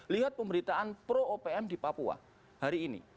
lihat pemberitaan pro opm di papua hari ini